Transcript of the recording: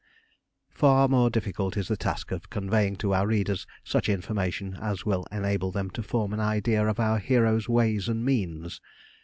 Far more difficult is the task of conveying to our readers such information as will enable them to form an idea of our hero's ways and means.